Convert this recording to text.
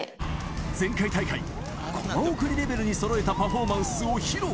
前回大会、コマ送りレベルにそろえたパフォーマンスを披露。